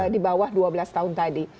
di bawah dua belas tahun tadi